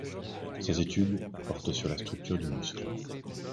Ses études portent sur la structure du muscle.